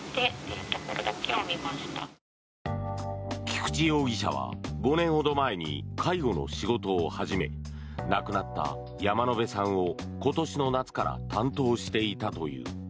菊池容疑者は５年ほど前に介護の仕事を始め亡くなった山野辺さんを今年の夏から担当していたという。